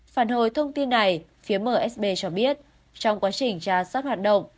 phản hồi thông tin này phía msb cho biết trong quá trình trà sát hoạt động